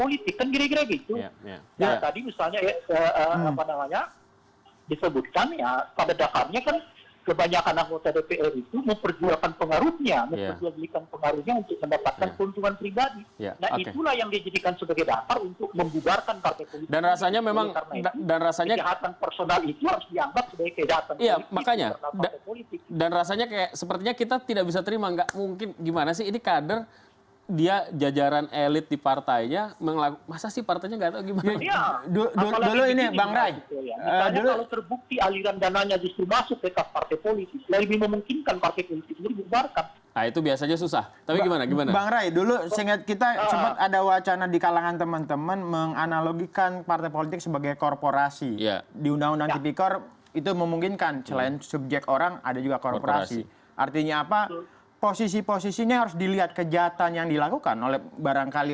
lalu berpikiran wah terkait dengan partai itu sangat wajar sekali